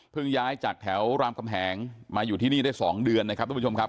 ย้ายจากแถวรามคำแหงมาอยู่ที่นี่ได้๒เดือนนะครับทุกผู้ชมครับ